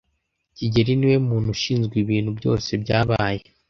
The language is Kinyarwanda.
kigeli niwe muntu ushinzwe ibintu byose byabaye.